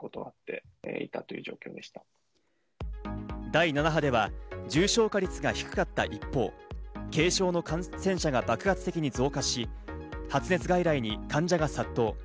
第７波では重症化率が低かった一方、軽症の感染者が爆発的に増加し、発熱外来に患者が殺到。